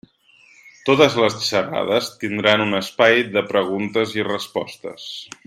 Totes les xerrades tindran un espai de preguntes i respostes.